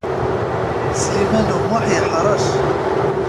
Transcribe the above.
Sliman U Muḥ yeḥṛec.